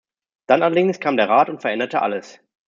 Dann allerdings kam der Rat und veränderte alles.